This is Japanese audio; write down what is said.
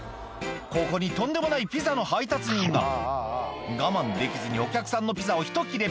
ここにとんでもないピザの配達員が我慢できずにお客さんのピザをひと切れ